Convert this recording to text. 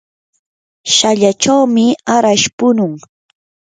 shallachawmi arash punun.